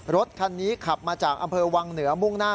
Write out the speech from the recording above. รถคันนี้ขับมาจากอำเภอวังเหนือมุ่งหน้า